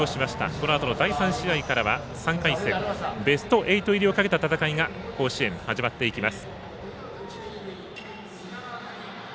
このあとの第３試合からは３回戦ベスト８入りをかけた戦いが甲子園、始まっていきます。